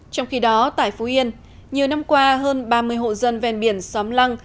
trong khi đó tại phú yên nhiều năm qua hơn ba mươi hộ dân ven biển xóm lăng